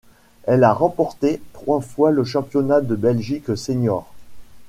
Elle a remporté trois fois le championnat de Belgique sénior.